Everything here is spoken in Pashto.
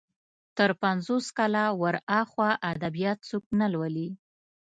تر پنځوس کاله ور اخوا ادبيات څوک نه لولي.